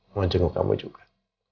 mau jenguk kamu juga